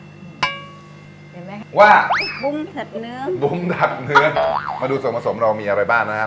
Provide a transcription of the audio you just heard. เห็นไหมว่าบุ้งสัดเนื้อบุ้มดัดเนื้อมาดูส่วนผสมเรามีอะไรบ้างนะครับ